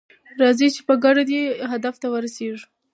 راځئ چې په ګډه دې هدف ته ورسیږو.